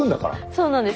そうなんですよ。